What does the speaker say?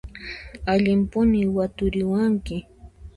Allimpuni waturikuwanki!